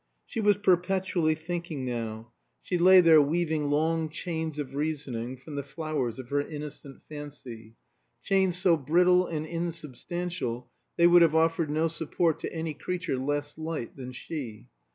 She was perpetually thinking now; she lay there weaving long chains of reasoning from the flowers of her innocent fancy, chains so brittle and insubstantial, they would have offered no support to any creature less light than she.